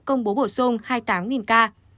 công bố bổ sung hai mươi tám ca